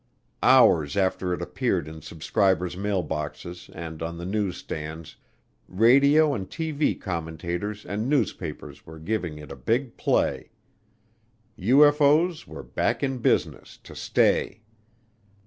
Hours after it appeared in subscribers' mailboxes and on the newsstands, radio and TV commentators and newspapers were giving it a big play. UFO's were back in business, to stay.